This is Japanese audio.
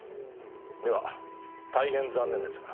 では大変残念ですが。